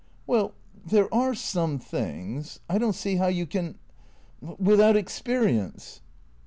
"Well, there are some things — I don't see how you can — without experience."